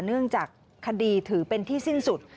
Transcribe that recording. เนื่องจากคดีถือเป็นที่สิ้นสุด